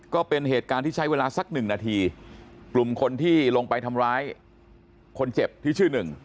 ก็เป็นเหตุการณ์ที่ใช้เวลาสักหนึ่งนาทีกลุ่มคนที่ลงไปทำร้ายคนเจ็บที่ชื่อหนึ่ง